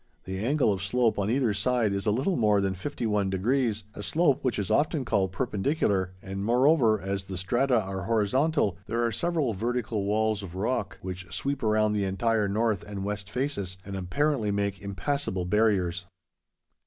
The angle of slope on either side is a little more than fifty one degrees, a slope which is often called perpendicular, and, moreover, as the strata are horizontal, there are several vertical walls of rock, which sweep around the entire north and west faces, and apparently make impassable barriers.